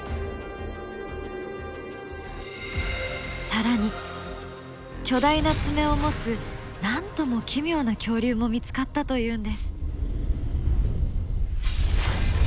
更に巨大な爪を持つなんとも奇妙な恐竜も見つかったというんです！